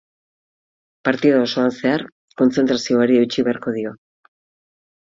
Partida osoan zehar kontzentrazioari eutsi beharko dio.